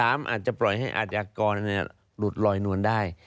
๓อาจจะปล่อยให้อัธยักรรมนั่นลุดลอยนวลได้